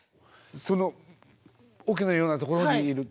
そのおけのようなところにいる。